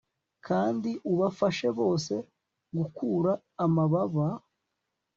kandi ubafashe bose gukura amababa